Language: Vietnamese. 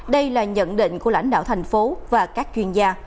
đây là nhận định của lãnh đạo thành phố và các chuyên gia